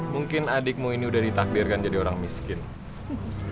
mungkin adikmu ini udah ditakdirkan jadi orang miskin